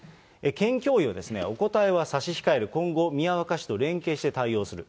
県教委はお答えは差し控える、今後、宮若市と連携して対応する。